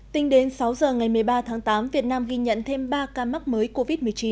tính đến sáu giờ ngày một mươi ba tháng tám việt nam ghi nhận thêm ba ca mắc mới covid một mươi chín